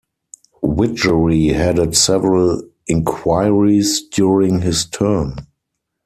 Widgery headed several inquiries during his term.